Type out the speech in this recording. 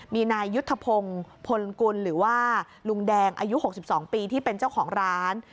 มีนายยุทธพงศ์พลกุลหรือว่าลุงแดงอายุ๖๒ปีที่เป็นเจ้าของร้าน